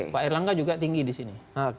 pak erlangga juga tinggi di sini